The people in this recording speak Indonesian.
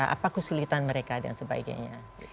apa kesulitan mereka dan sebagainya